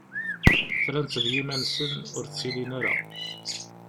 Fran-tt d yiman-nsen, ur ttilin ara.